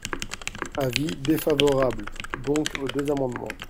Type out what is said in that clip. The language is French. Avis défavorable, donc, aux deux amendements.